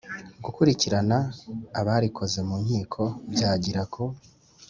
Gukurikirana abarikoze mu nkiko byagira ku